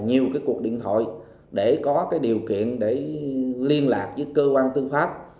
nhiều cuộc điện thoại để có điều kiện liên lạc với cơ quan tư pháp